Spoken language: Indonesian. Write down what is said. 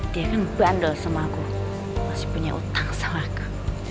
dia kan bandol sama aku masih punya utang sama aku